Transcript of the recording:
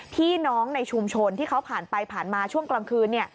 พี่น้องในชุมชนที่เขาผ่านไปผ่านมาช่วงกลางคืน